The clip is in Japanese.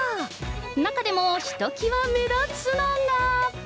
中でもひときわ目立つのが。